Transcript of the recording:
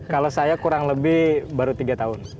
kalau saya kurang lebih baru tiga tahun